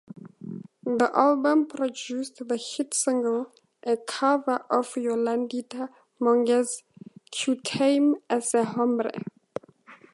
The album produced the hit single, a cover of Yolandita Monge's "Quitame Ese Hombre".